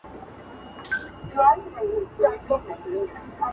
د ماشومانو برخلیک